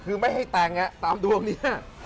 คือไม่ให้แต่งตามดวงนี้